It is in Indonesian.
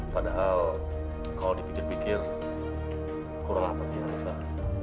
padahal kalau dipikir pikir kurang apa sih hanifah